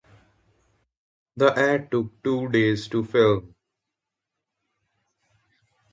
The ad took two days to film.